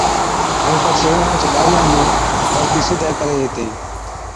ائُون پڇي اُونهانچ ٻارِيان نُون گھڙتِي سِڌَي ڪرين هِتين